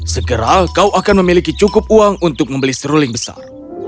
segera kau akan memiliki cukup uang untuk membeli seruling besar